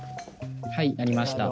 はいありました。